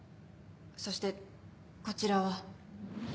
そしてこちらは。